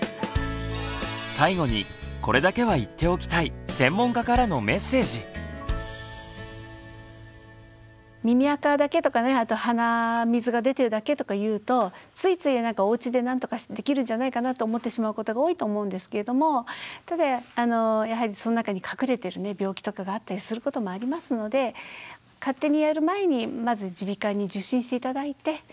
最後にこれだけは言っておきたい耳あかだけとか鼻水が出てるだけとかいうとついついおうちでなんとかできるんじゃないかなと思ってしまうことが多いと思うんですけれどもただやはりその中に隠れてる病気とかがあったりすることもありますので勝手にやる前にまず耳鼻科に受診して頂いて。